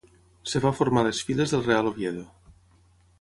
Es va formar a les files del Real Oviedo.